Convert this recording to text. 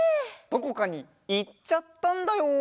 どこかにいっちゃったんだよ。